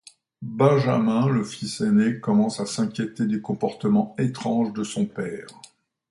Benjamin, le fils aîné commence à s'inquiéter du comportement étrange de son père.